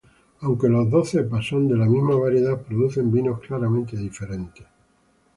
Aunque las dos cepas son de la misma variedad, producen vinos claramente diferentes.